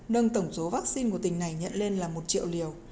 nâng tổng số vaccine của tỉnh này nhận lên là một triệu liều